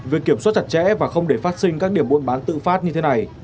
việc kiểm soát chặt chẽ và không để phát sinh các điểm buôn bán tự phát như thế này